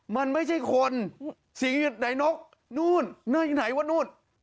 มันไม่ใช่คนสิ่งที่อยู่ไหนนกนู่นไหนว่านู่น